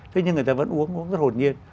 thế nhưng người ta vẫn uống rất hồn nhiên